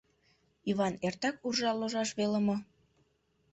— Иван, эртак уржа ложаш веле мо?